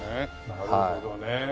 なるほどね。